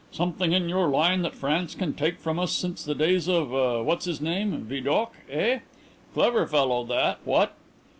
"Something in your line that France can take from us since the days of what's his name Vidocq, eh? Clever fellow, that, what?